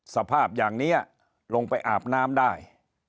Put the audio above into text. สภาพอย่างนี้ลงไปอาบน้ำได้